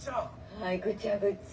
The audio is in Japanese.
「はい。ぐちゃぐちゃ」。